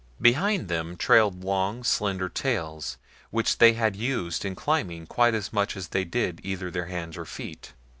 Behind them trailed long, slender tails which they used in climbing quite as much as they did either their hands or feet.